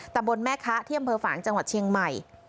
ตำบลแม่คะที่อำเภอฝางจังหวัดเชียงใหม่